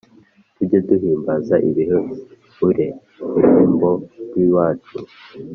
Tujye duhimbaza ibihe ureurembo rw’iwacu